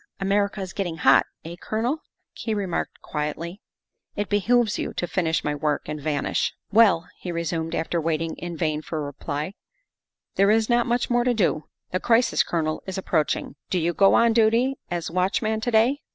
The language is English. "America is getting hot, eh, Colonel?" he remarked quietly; " it behooves you to finish my work and vanish. ''' Well," he resumed, after waiting in vain for a reply, " there is not much more to do. The crisis, Colonel, is approaching. Do you go on duty as watch man to day?